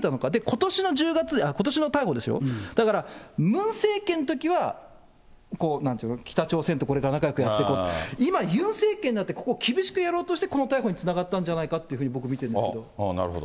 ことしの１０月、ことしの逮捕でしょ、だからムン政権のときは北朝鮮とこれから仲よくやっていこう、今、ユン政権になって、ここ厳しくやろうとして、この逮捕につながったんじゃないかというふうに僕見てるんですけなるほど。